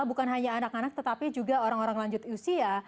bukan hanya anak anak tetapi juga orang orang lanjut usia